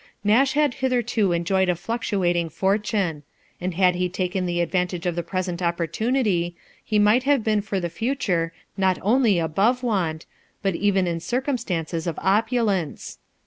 Nash had hitherto enjoyed a fluctuating fortune ; and had he taken the advantage of the present opportunity, he might have been for the future not only above want, but even in circumstances of opulence.